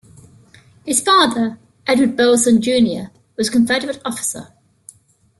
His father, Edward Burleson, Junior was a Confederate officer.